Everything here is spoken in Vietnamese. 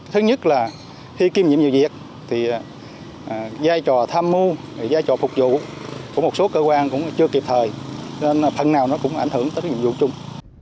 thứ nhất là khi kiếm nhiệm vụ việc thì giai trò tham mưu giai trò phục vụ của một số cơ quan cũng chưa kịp thời cho nên phần nào nó cũng ảnh hưởng tới nhiệm vụ chung